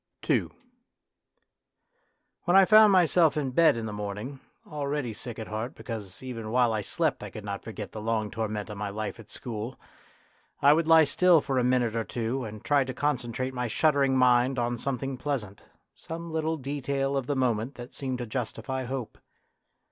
II When I found myself in bed in the morn ing, already sick at heart because even while I slept I could not forget the long torment of my life at school, I would lie still for a minute or two and try to concentrate my shuddering mind on something pleasant, some little detail of the moment that seemed to justify hope.